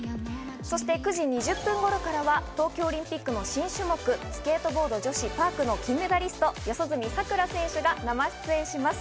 ９時２０分頃からは東京オリンピックの新種目スケートボード女子パークの金メダリスト、四十住さくら選手が生出演します。